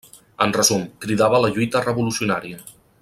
En resum, cridava a la lluita revolucionària.